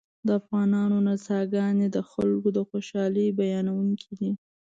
د افغانانو نڅاګانې د خلکو د خوشحالۍ بیانوونکې دي